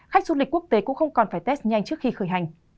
khách du lịch quốc tế cũng không còn phải test nhanh trước khi khởi hành